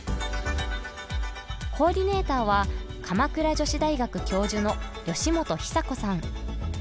コーディネーターは鎌倉女子大学教授の善本久子さん。